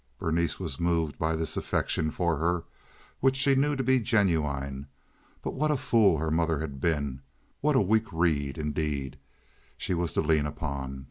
Berenice was moved by this affection for her, which she knew to be genuine; but what a fool her mother had been, what a weak reed, indeed, she was to lean upon!